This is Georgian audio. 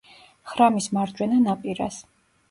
ხრამის მარჯვენა ნაპირას.